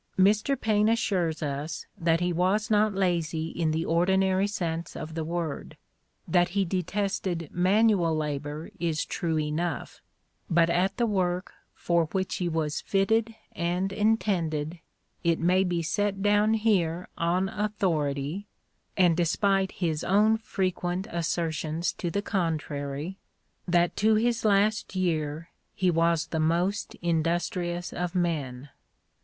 Mr. Paine assures us that he was not lazy in the ordinary sense of the word: "that he detested manual labor is true enough, but at the work for which he was fitted and intended it may be set down here on authority (and despite his own frequent assertions to the contrary) that to his last year he was the most industrious of men."